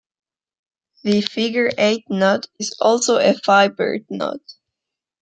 The figure-eight knot is also a fibered knot.